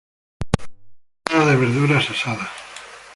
Ensalada de verduras asadas.